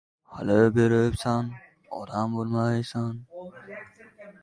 Yuzlari kuydirmish kalla bo‘lib kuldi.